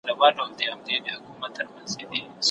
موږ باید له خپلو ماشومانو سره په نرمۍ چلند وکړو.